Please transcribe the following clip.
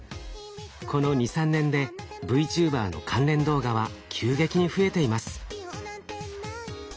この２３年でＶＴｕｂｅｒの関連動画は急激に増えています。